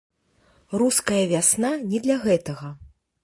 Руская вясна не для гэтага.